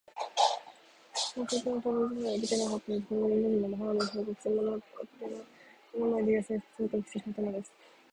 宝石をとりもどすこともできなかったのです。これがインド人の魔法なのでしょうか。くせ者は追っ手の目の前で、やすやすと姿を消してしまったのです。